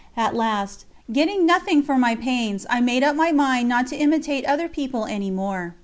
At last, getting nothing for my pains, I made up my mind not to imitate other people any more.